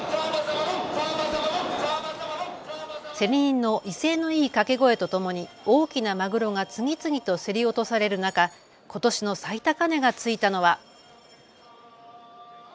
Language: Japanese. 競り人の威勢のいい掛け声とともに大きなマグロが次々と競り落とされる中ことしの最高値がついたのは。